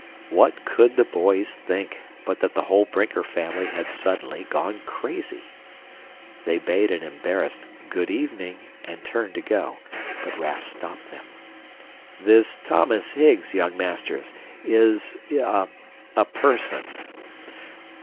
What could the boys think, but that the entire Brinker family had suddenly gone crazy! They bade an embarrassed "Good evening," and turned to go. But Raff stopped them. "This Thomas Higgs, young masters, is a a person."